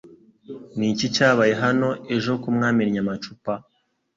Ni iki cyabaye hano ejo ko mwamennye amacupa?